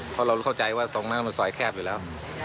เพราะเราเข้าใจว่าตรงนั้นมันซอยแคบอยู่แล้ว